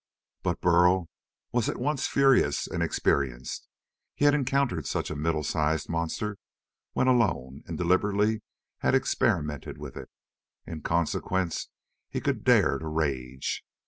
But Burl was at once furious and experienced. He had encountered such a middle sized monster, when alone, and deliberately had experimented with it. In consequence he could dare to rage.